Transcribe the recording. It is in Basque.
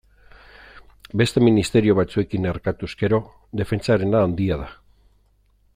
Beste ministerio batzuekin erkatuz gero, defentsarena handia da.